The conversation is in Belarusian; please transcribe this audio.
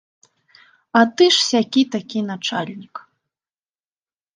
А ты ж сякі-такі начальнік.